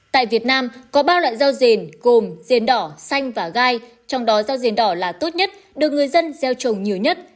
tại việt nam có ba loại rau rền gồm rền đỏ xanh và gai trong đó rau rền đỏ là tốt nhất được người dân gieo trồng nhiều nhất